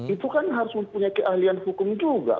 itu kan harus mempunyai keahlian hukum juga